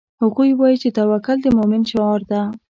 هغوی وایي چې توکل د مومن شعار ده